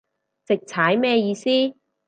直踩咩意思